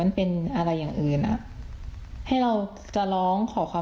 มีแต่เสียงตุ๊กแก่กลางคืนไม่กล้าเข้าห้องน้ำด้วยซ้ำ